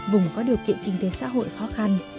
vùng có điều kiện kinh tế xã hội khó khăn